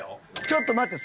ちょっと待って。